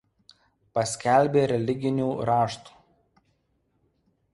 Paskelbė religinių raštų.